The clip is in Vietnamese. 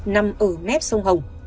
nằm ở mép sông hồng